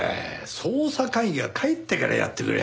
捜査会議は帰ってからやってくれ。